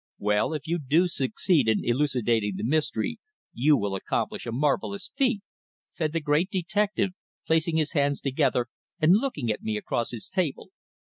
"Well, if you do succeed in elucidating the mystery you will accomplish a marvellous feat," said the great detective, placing his hands together and looking at me across his table.